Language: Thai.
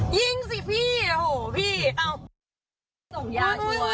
ยิงสิพี่โหพี่